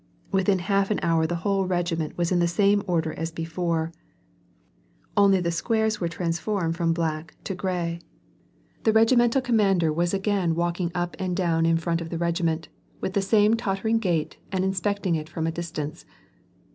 W^ithin half an hour the whole regiment was in the same order as before ; only the squares were transformed from black WAR AND PEACE. 133 to grey. The regimental coinmauder was again walking up and down in front of the regiment with the same tottering gait, and inspecting it from a distance.